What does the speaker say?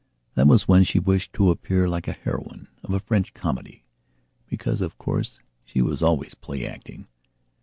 That was when she wished to appear like the heroine of a French comedy. Because of course she was always play acting.